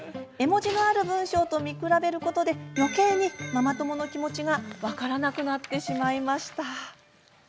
絵文字のある文章と見比べることでよけいにママ友の気持ちが分からなくなってしまいました。